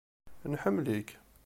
Nḥemmel-ik!